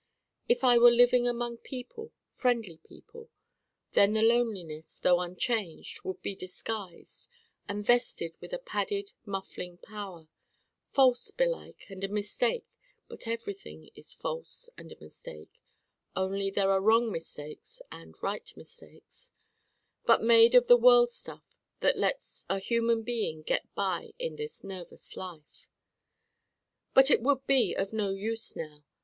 If I were living among people, friendly people, then the Loneliness though unchanged would be disguised and vested with a padded muffling power false, belike, and a mistake (but everything is false and a mistake: only there are wrong mistakes and right mistakes) but made of the world stuff that lets a human being get by in this nervous life. But it would be of no use now.